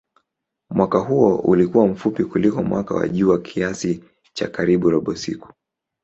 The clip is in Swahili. Mwaka huo ulikuwa mfupi kuliko mwaka wa jua kiasi cha karibu robo siku.